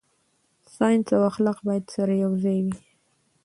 ساينس او اخلاق باید سره یوځای وي.